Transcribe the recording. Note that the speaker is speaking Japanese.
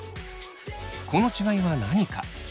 この違いは何か。